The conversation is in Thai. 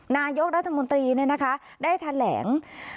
นายโยครัฐมนตรีได้ทันแหลง